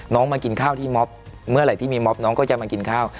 มากินข้าวที่ม็อบเมื่อไหร่ที่มีม็อบน้องก็จะมากินข้าว